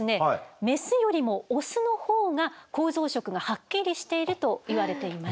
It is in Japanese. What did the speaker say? メスよりもオスのほうが構造色がはっきりしているといわれています。